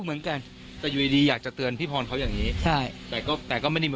เหมือนกันแต่อยู่ดีดีอยากจะเตือนพี่พรเขาอย่างนี้ใช่แต่ก็แต่ก็ไม่ได้เหมือน